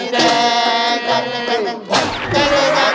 ถ้าโดนมื้ออย่าง